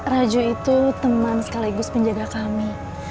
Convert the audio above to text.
raju itu teman sekaligus penjaga kami